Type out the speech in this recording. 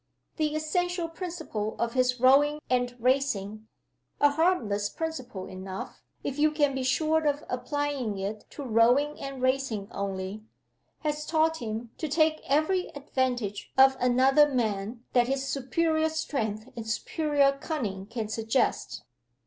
The essential principle of his rowing and racing (a harmless principle enough, if you can be sure of applying it to rowing and racing only) has taught him to take every advantage of another man that his superior strength and superior cunning can suggest.